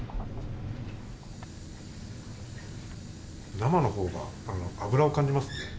生のほうが脂を感じますね。